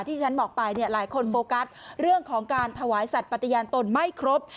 ที่ฉันบอกไปเนี่ยหลายคนโฟกัสเรื่องของการถวายสัตว์ปฏิญาณตนไม่ครบ